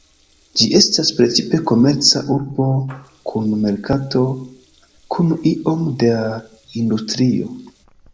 Ĝi estas precipe komerca urbo kun merkato kun iom da industrio.